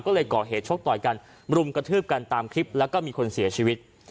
ก็เลยก่อเหตุชกต่อยกันรุมกระทืบกันตามคลิปแล้วก็มีคนเสียชีวิต